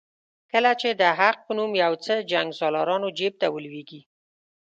کله چې د حق په نوم یو څه جنګسالارانو جیب ته ولوېږي.